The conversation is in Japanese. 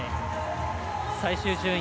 最終順位